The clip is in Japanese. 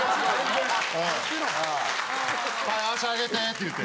はい足あげてって言って。